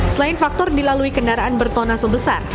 selain faktor dilalui kendaraan bertona sebesar